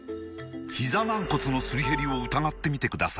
ひざ軟骨のすり減りを疑ってみてください